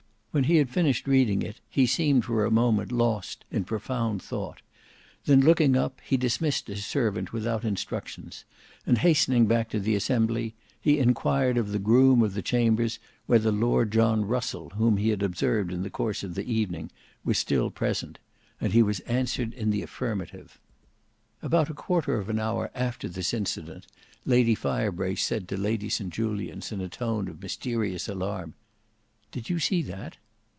When he had finished reading it, he seemed for a moment lost in profound thought; then looking up he dismissed his servant without instructions, and hastening back to the assembly, he enquired of the groom of the chambers whether Lord John Russell, whom he had observed in the course of the evening, was still present; and he was answered in the affirmative. About a quarter of an hour after this incident, Lady Firebrace said to Lady St Julians in a tone of mysterious alarm. "Do you see that?"